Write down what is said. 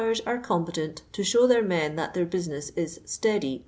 * are con^petent to I show their men tliit their business is sfmi/if v.